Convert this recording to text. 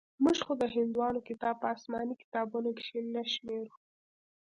موږ خو د هندوانو کتاب په اسماني کتابونو کښې نه شمېرو.